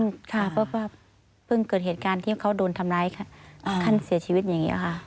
เพราะว่าเพิ่งเกิดเหตุการณ์ที่เขาโดนทำร้ายขั้นเสียชีวิตอย่างนี้ค่ะ